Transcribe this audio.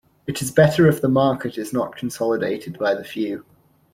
It is better if the market is not consolidated by the few.